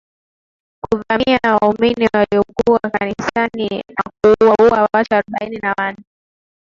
kuvamia waumini yaliokuwa kanisani na kuua watu arobaini na wanne